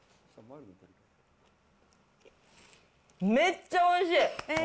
めっちゃおいしい。